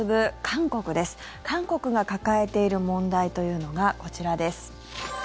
韓国が抱えている問題というのがこちらです。